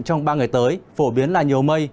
trong ba ngày tới phổ biến là nhiều mây